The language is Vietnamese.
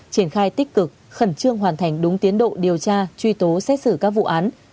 triển khai tích cực khẩn trương hoàn thành đúng tiến độ điều tra truy tố xét xử các vụ án